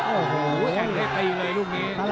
โอ้โหแทงได้ตีเลยลูกนี้